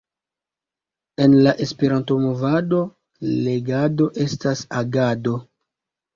En la Esperanto-movado, legado estas agado!